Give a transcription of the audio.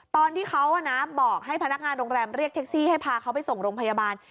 ตอนที่เขาบอกให้พนักงานโรงแรมเรียกแท็กซี่ให้พาเขาไปส่งโรงพยาบาล